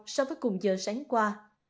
so với cùng giờ sáng qua